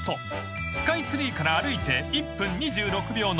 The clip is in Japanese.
［スカイツリーから歩いて１分２６秒の］